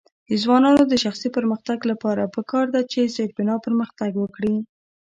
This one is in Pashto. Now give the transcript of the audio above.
د ځوانانو د شخصي پرمختګ لپاره پکار ده چې زیربنا پرمختګ ورکړي.